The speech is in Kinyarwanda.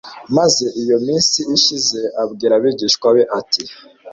maze iyo minsi ishize abwira abigishwa be ati